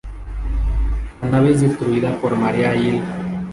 La nave es destruida por Maria Hill.